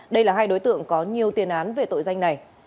đây là hai đối tượng có nhiều tiền án về tội danh này